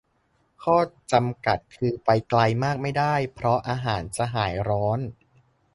ข้อจำกัดคือไปไกลมากไม่ได้ เพราะอาหารจะหายร้อน